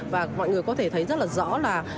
và mọi người có thể thấy rất rõ là